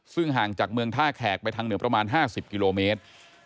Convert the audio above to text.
ซึ่งห่างจากเมืองท่าแขกไปทางเหนือประมาณ๕๐กิโลเมตร